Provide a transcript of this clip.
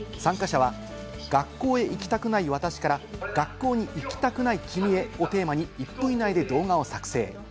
参加者は「学校へ行きたくない私から学校に行きたくない君へ」をテーマに１分以内で動画を作成。